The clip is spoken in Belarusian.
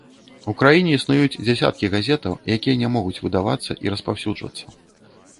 У краіне існуюць дзесяткі газетаў, якія не могуць выдавацца і распаўсюджвацца.